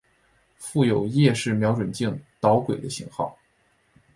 附有夜视瞄准镜导轨的型号。